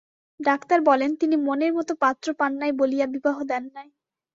Doctor বলেন, তিনি মনের মতো পাত্র পান নাই বলিয়া বিবাহ দেন নাই।